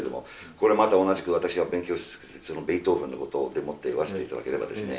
これまた同じく私はベートーベンのことでもって言わせて頂ければですね